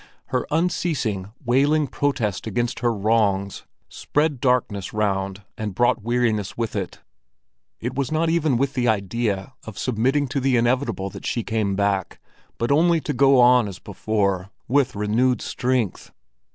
Her unceasing, wailing protest against her wrongs spread darkness around and brought weariness with it. It was not even with the idea of submitting to the inevitable that she came back, but only to go on as before, with renewed strength.